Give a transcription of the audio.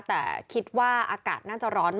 ตึงน่าจะเป็นร่ม